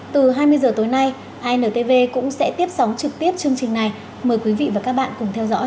từ hai mươi h tối nay intv cũng sẽ tiếp sóng trực tiếp chương trình này mời quý vị và các bạn cùng theo dõi